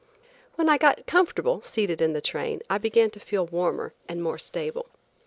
When I got comfortable seated in the train I began to feel warmer and more stable.